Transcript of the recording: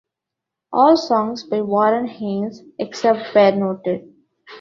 All songs by Warren Haynes, except where noted.